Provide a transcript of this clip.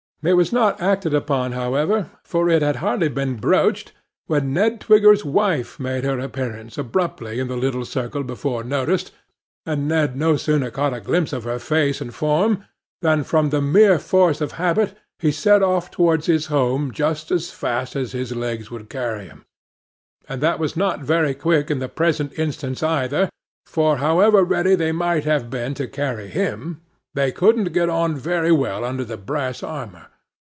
It was not acted upon, however, for it had hardly been broached, when Ned Twigger's wife made her appearance abruptly in the little circle before noticed, and Ned no sooner caught a glimpse of her face and form, than from the mere force of habit he set off towards his home just as fast as his legs could carry him; and that was not very quick in the present instance either, for, however ready they might have been to carry him, they couldn't get on very well under the brass armour.